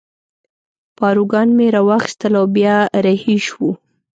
پاروګان مې را واخیستل او بیا رهي شوو.